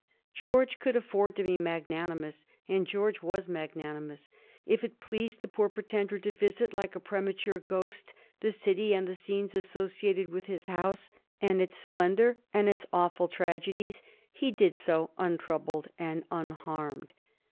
George could afford to be magnanimous, and George was magnanimous. If it pleased the poor Pretender to visit, like a premature ghost, the city and the scenes associated with his House and its splendor and its awful tragedies, he did so untroubled and unharmed.